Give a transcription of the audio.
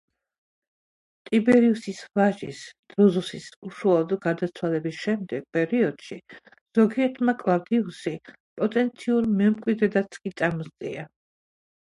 ტიბერიუსის ვაჟის, დრუზუსის უშუალოდ გარდაცვალების შემდეგ პერიოდში, ზოგიერთმა კლავდიუსი პოტენციურ მემკვიდრედაც კი წამოსწია.